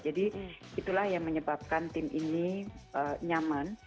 jadi itulah yang menyebabkan tim ini nyaman